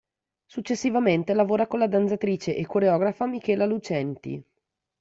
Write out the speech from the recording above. Successivamente lavora con la danzatrice e coreografa Michela Lucenti.